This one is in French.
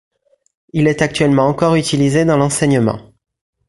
Il est actuellement encore utilisé dans l’enseignement.